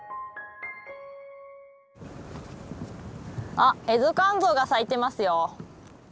あっエゾカンゾウが咲いてますよ。